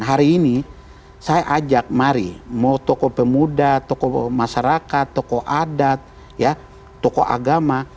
hari ini saya ajak mari mau tokoh pemuda tokoh masyarakat tokoh adat tokoh agama